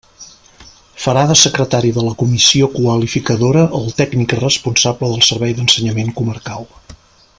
Farà de secretari de la Comissió Qualificadora el tècnic responsable del servei d'ensenyament comarcal.